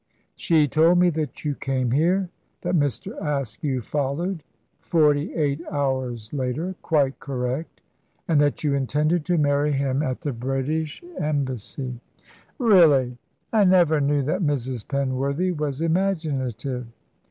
"She told me that you came here; that Mr. Askew followed " "Forty eight hours later. Quite correct." "And that you intended to marry him at the British Embassy." "Really! I never knew that Mrs. Penworthy was imaginative."